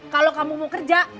kalau kamu mau kerja